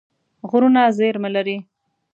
غرونه زیرمه لري.